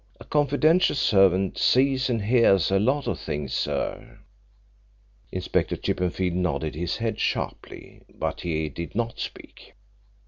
A confidential servant sees and hears a lot of things, sir." Inspector Chippenfield nodded his head sharply, but he did not speak.